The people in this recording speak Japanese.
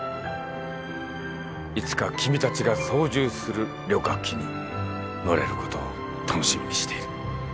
いつか君たちが操縦する旅客機に乗れることを楽しみにしている。